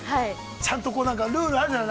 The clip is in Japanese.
ちゃんとルールあるじゃない？